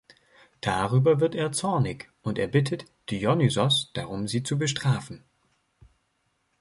Darüber wird er zornig und er bittet Dionysos darum sie zu bestrafen.